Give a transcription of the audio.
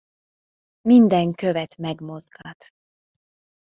Minden követ megmozgat.